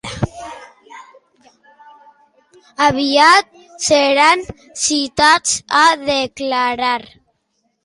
Aviat seran citats a declarar.